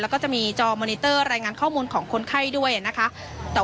แล้วก็จะมีจอรายงานข้อมูลของคนไข้ด้วยนะคะ